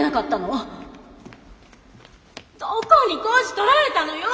どこに工事とられたのよ！